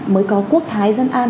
mới có quốc thái dân an